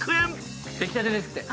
出来たてですって。